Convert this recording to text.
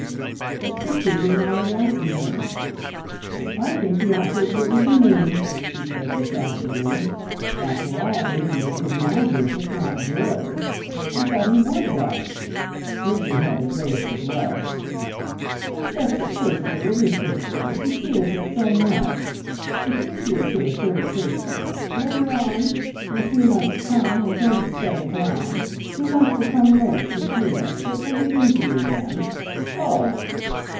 But Pixie did not enlighten her. "I think he ought to have written to me!" she said decisively. "After all, Bridgie, it is my business, not yours. I thought he would write." Bridgie had the grace to blush. "But just at first, dear, it is difficult. He feels it so much. It's easier to a third person. Later on, in a few months' time, when things have settled down, he wants to come north to see us. It will be easier then..." "Oh!"